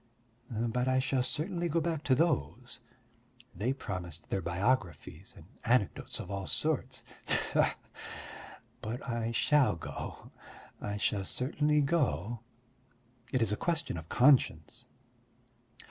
But I shall certainly go back to those. They promised their biographies and anecdotes of all sorts. Tfoo! But I shall go, I shall certainly go; it is a question of conscience!